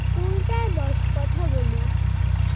টুলটায় বস, কথা বলি।